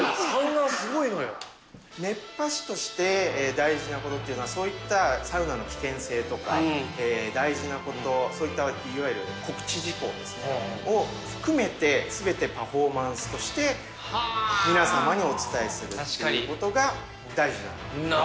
熱波師として大事なことっていうのはそういったサウナの危険性とか、大事なこと、そういったいわゆる告知事項を含めて、すべてパフォーマンスとして、皆様にお伝えするということが大事なことなんです。